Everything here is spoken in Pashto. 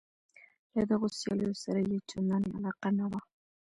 له دغو سیالیو سره یې چندانې علاقه نه وه.